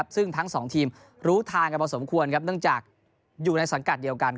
ซึ่งทั้งสองทีมรู้ทางกันพอสมควรเนื่องจากอยู่ในสังกัดเดียวกัน